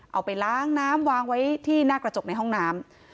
เอาไปล้างน้ำวางไว้ที่หน้ากระจกในห้องน้ำ